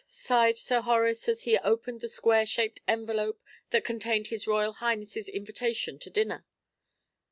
sighed Sir Horace, as he opened the square shaped envelope that contained his Royal Highnesses invitation to dinner.